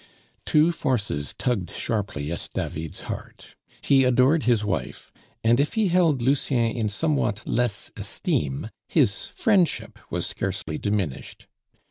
Two forces tugged sharply at David's heart; he adored his wife; and if he held Lucien in somewhat less esteem, his friendship was scarcely diminished.